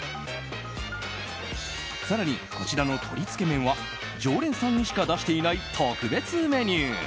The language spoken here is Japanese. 更に、こちらの鶏つけ麺は常連さんにしか出していない特別メニュー。